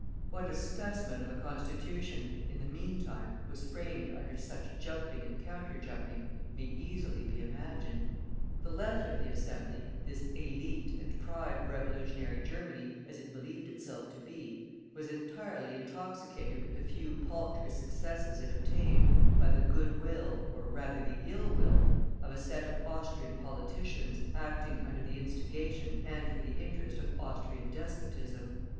What a specimen of a Constitution, in the meantime, was framed under such jumping and counter jumping, may easily be imagined. The Left of the Assembly this élite and pride of revolutionary Germany, as it believed itself to be was entirely intoxicated with the few paltry successes it obtained by the good will, or rather the ill will, of a set of Austrian politicians, acting under the instigation and for the interest of Austrian despotism.